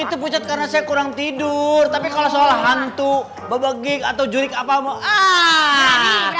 itu pucet karena saya kurang tidur tapi kalau soal hantu babagik atau jurik apa mau ahhh